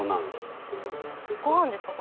ご飯ですか？